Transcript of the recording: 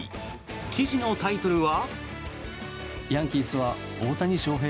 記事のタイトルは。